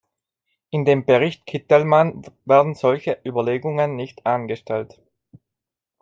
In dem Bericht Kittelmann werden solche Überlegungen nicht angestellt.